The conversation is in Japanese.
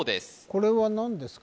これは何ですか？